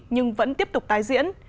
nhưng vẫn tiếp tục tái diễn